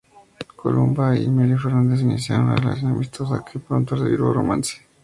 Columba y Emilio Fernández iniciaron una relación amistosa, que pronto derivó en romance.